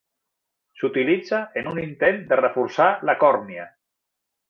S'utilitza en un intent de reforçar la còrnia.